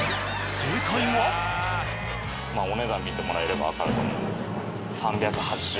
お値段見てもらえればわかると思うんですけど。